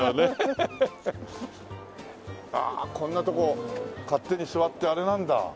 ああこんなとこ勝手に座ってあれなんだ。